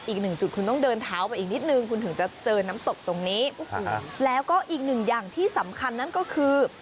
อีกหนึ่งจุดคุณต้องเดินเท้าไปอีกนิดนึงคุณถึงจะเจอน้ำตกตรงนี้โอ้โหแล้วก็อีกหนึ่งอย่างที่สำคัญนั่นก็คือ